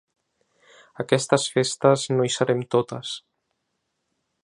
Aquestes festes no hi serem totes.